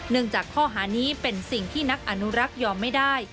จากข้อหานี้เป็นสิ่งที่นักอนุรักษ์ยอมไม่ได้